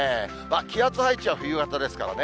気圧配置は冬型ですからね。